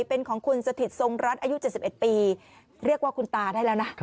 เป็นของคุณสถิตทรงรัฐอายุ๗๑ปีเรียกว่าคุณตาได้แล้วนะ